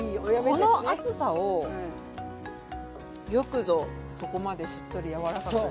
この厚さをよくぞここまでしっとり柔らかく。